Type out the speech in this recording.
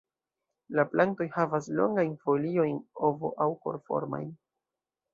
La plantoj havas longajn foliojn ovo- aŭ kor-formajn.